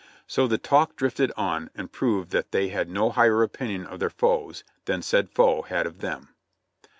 So the talk drifted on, and proved that they had no higher opin ion of their foes than said foe had of them.